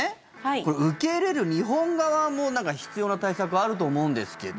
受け入れる日本側も必要な対策があると思うんですけど。